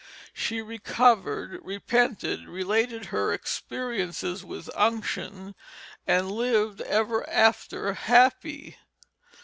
She recovered, repented, related her experiences with unction, and lived ever after happy.